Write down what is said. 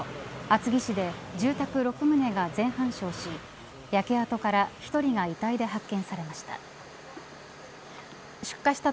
厚木市で住宅６棟が全半焼し焼け跡から１人が遺体で発見されました。